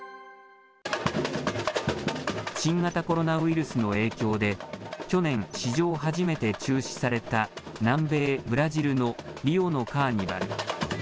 新型コロナウイルスの影響で、去年、史上初めて中止された南米ブラジルのリオのカーニバル。